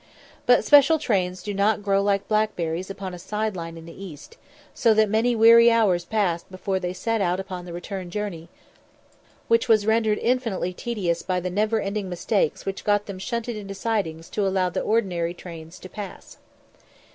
But special trains do not grow like blackberries upon a side line in the East, so that many weary hours passed before they set out upon the return journey, which was rendered infinitely tedious by the never ending mistakes which got them shunted into sidings to allow the ordinary trains to pass.